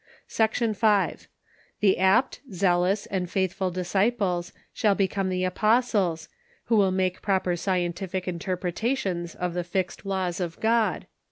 Section Y. The apt, zealous and faithful disciples shall become the apostles, who will make proper scientific interpretations of the fixed laws of God.